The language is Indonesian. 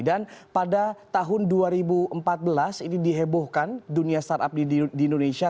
dan pada tahun dua ribu empat belas ini dihebohkan dunia startup di indonesia